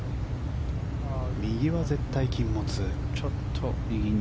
右は絶対禁物。